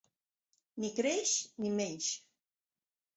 Ni creix, ni meix.